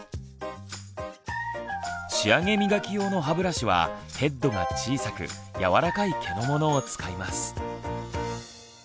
仕上げ磨き用の歯ブラシはヘッドが小さくやわらかい毛のものを使います。